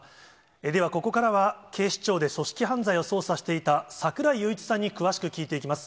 では、ここからは警視庁で組織犯罪を捜査していた、櫻井裕一さんに詳しく聞いていきます。